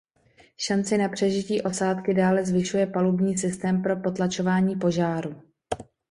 Šanci na přežití osádky dále zvyšuje palubní systém pro potlačování požáru.